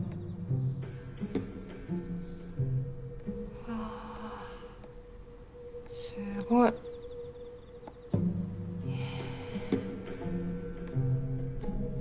うわすごい。へ。